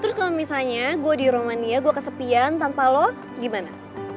terus kalau misalnya gue di romania gue kesepian tanpa lo gimana